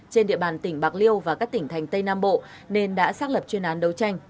trên địa bàn tỉnh bạc liêu và các tỉnh thành tây nam bộ nên đã xác lập chuyên án đấu tranh